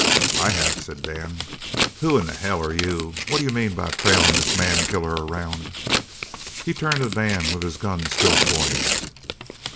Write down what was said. "I have," said Dan. "Who in hell are you? What d'you mean by trailing this man killer around?" He turned to Dan with his gun still poised.